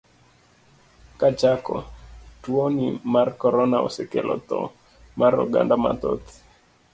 Kachako, tuoni mar korona osekelo tho mar oganda mathoth.